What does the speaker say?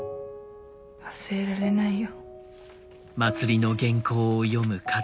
忘れられないよ」。